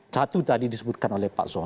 satu tadi disebutkan oleh pak zon